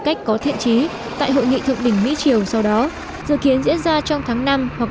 cách có thiện trí tại hội nghị thượng đỉnh mỹ triều sau đó dự kiến diễn ra trong tháng năm hoặc